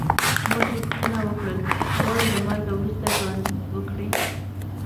ما ترې پوښتنه وکړل غواړې له مرګه وروسته ژوند وکړې.